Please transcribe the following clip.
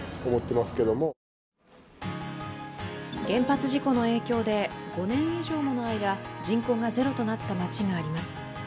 原発事故の影響で５年以上もの間人口がゼロとなった街があります。